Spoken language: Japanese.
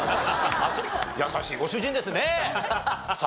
優しいご主人ですね。